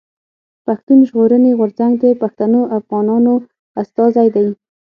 پښتون ژغورني غورځنګ د پښتنو افغانانو استازی دی.